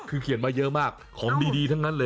คือเขียนมาเยอะมากของดีทั้งนั้นเลย